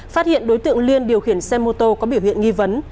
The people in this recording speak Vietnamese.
phát hiện đối tượng liên điều khiển xe mô tô có biểu hiện nghi vấn